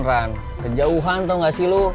ran kejauhan tau gak sih lu